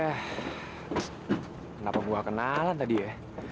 kenapa buah kenalan tadi ya